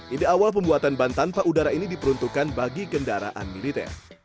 ide awal pembuatan ban tanpa udara ini diperuntukkan bagi kendaraan militer